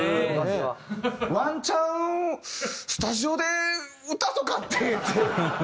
「ワンチャンスタジオで歌とかって」って。